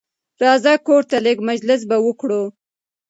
راځه کورته لېږ مجلس به وکړو